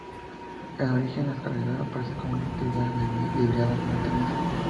En origen, la escalada aparece como una actividad derivada del montañismo.